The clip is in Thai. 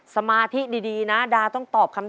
ตัวเลือกที่สอง๘คน